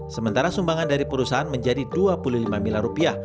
sementara sumbangan dari perusahaan menjadi dua puluh lima miliar rupiah